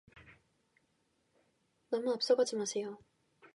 너무 앞서가지 마세요.